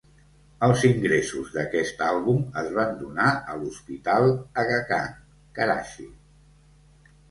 Els ingressos d'aquest àlbum es van donar a l'hospital Aga Khan, Karachi.